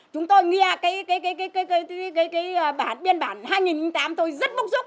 chúng tôi nghe cái biên bản hai nghìn tám tôi rất bốc xúc